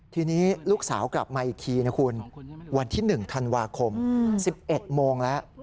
ทีนี้ลูกสาวกลับมาอีกทีนะคุณวันที่๑ธันวาคม๑๑โมงแล้ว